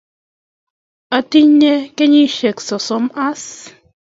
Atinye kenyisyek sosom as.